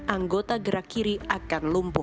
anggota gerak kiri akan lumpuh